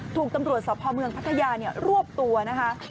ถูกตำรวจสพเมืองพัทยารวบตัวนะคะ